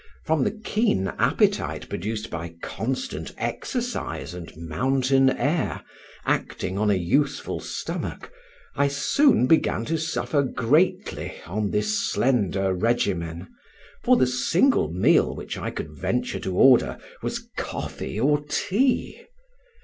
From the keen appetite produced by constant exercise and mountain air, acting on a youthful stomach, I soon began to suffer greatly on this slender regimen, for the single meal which I could venture to order was coffee or tea.